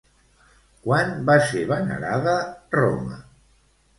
Quan va ser venerada Roma?